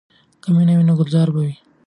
که مینه وي نو ګلزار وي.